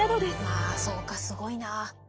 ああそうかすごいな。